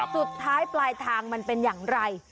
สุดท้ายปลายทางมันเป็นอย่างไร